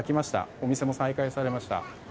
お店も再開されました。